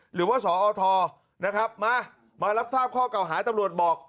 หรือว่าสอทนะครับมามารับทราบข้อเก่าหาตำรวจบอก